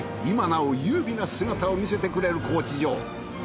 今なお優美な姿を見せてくれる高知城。